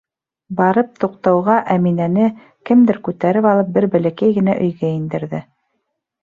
Барып туҡтауға, Әминәне, кемдер күтәреп алып, бер бәләкәй генә өйгә индерҙе.